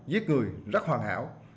giết người rất hoàn hảo